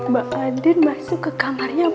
mbak andin masuk ke kamarnya mas